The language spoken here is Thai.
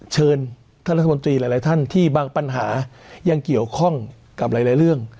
เชิญท่านรัฐมนตรีหลายท่านที่บางปัญหายังเกี่ยวข้องกับหลายเรื่อง